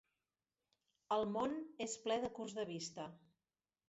El món és ple de curts de vista!